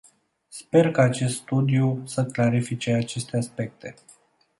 Sper ca acest studiu să clarifice aceste aspecte.